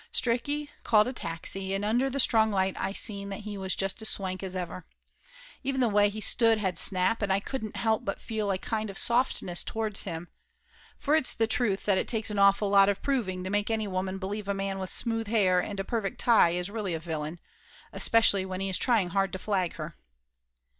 Stricky called a taxi, and under the strong light I seen that he was just as swank as ever. Even the way he stood had snap, and I couldn't help but feel a kind of softness towards him, for it's the truth that it takes an awful lot of proving to make any woman believe a man with smooth hair and a perfect tie is really a villain, especially when he is trying hard to flag her.